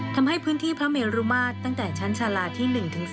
ทำให้พื้นที่พระเมรุมาตรตั้งแต่ชั้นชาลาที่๑๔